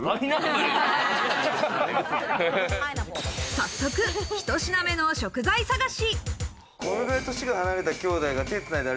早速、１品目の食材探し。